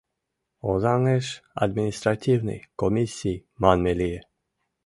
Озаҥеш административный комиссий манме лие.